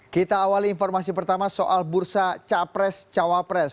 kita awali informasi pertama soal bursa capres cawapres